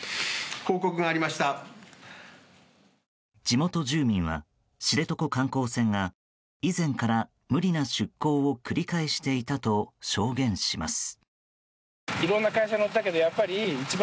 地元住民は知床観光船が以前から無理な出航を繰り返していたと証言します。